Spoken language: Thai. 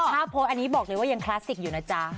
ถ้าโพสต์อันนี้บอกเลยว่ายังคลาสสิกอยู่นะจ๊ะ